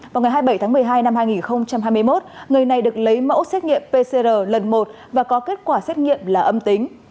vào ngày hai mươi bảy tháng một mươi hai năm hai nghìn hai mươi một người này được lấy mẫu xét nghiệm pcr lần một và có kết quả xét nghiệm là âm tính